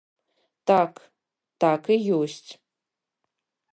Так, так і ёсць.